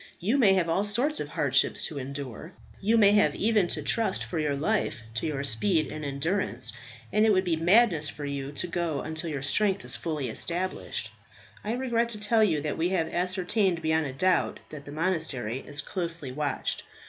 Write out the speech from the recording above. You may have all sorts of hardships to endure; you may have even to trust for your life to your speed and endurance; and it would be madness for you to go until your strength is fully established. I regret to tell you that we have ascertained beyond a doubt that the monastery is closely watched.